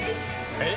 えっ？